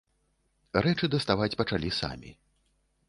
Рэчы даставаць пачалі самі.